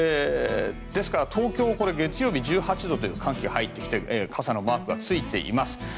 ですから東京月曜日１８度と寒気が入ってきて傘のマークがついています。